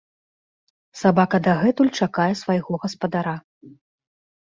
Сабака дагэтуль чакае свайго гаспадара.